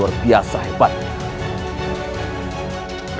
aku akan menang